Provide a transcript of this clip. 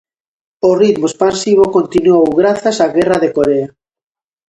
O ritmo expansivo continuou grazas á guerra de Corea.